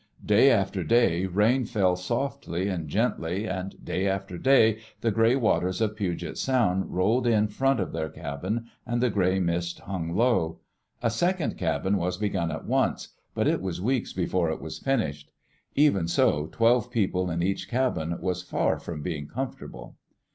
Day after day rain fell softly and gently, and day after day the gray waters of Puget Sound rolled in front of their cabin and the gray mist hung low. A second cabin was begun at once, but it was weeks before it was finished. Even so, twelve people in each cabin was far from being comfortable.